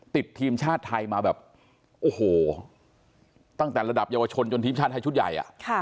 ติดทีมชาติไทยมาแบบโอ้โหตั้งแต่ระดับเยาวชนจนทีมชาติไทยชุดใหญ่